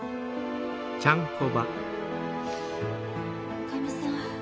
おかみさん。